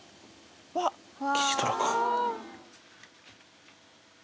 キジトラか？